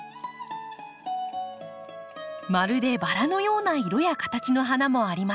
まるでバラのような色や形の花もあります。